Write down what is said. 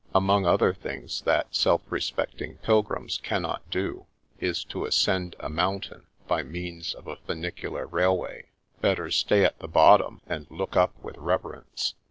Among other things that self respecting pilgrims cannot do, is to ascend a mountain by means of a funicular railway; better stay at the bottom, and look up with reverence.